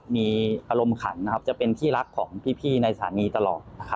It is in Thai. มีอารมณ์ขรร